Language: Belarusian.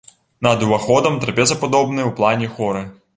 Над уваходам трапецападобныя ў плане хоры.